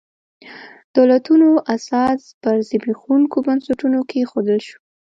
دولتونو اساس پر زبېښونکو بنسټونو کېښودل شو.